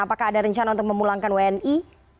apakah ada rencana untuk memulangkan wni